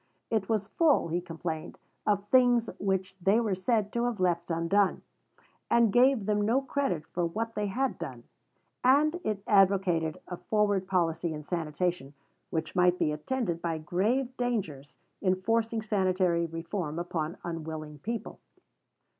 It was full, he complained, of things which they were said to have left undone, and gave them no credit for what they had done; and it advocated a forward policy in sanitation which might be attended by grave dangers in forcing sanitary reform upon unwilling people.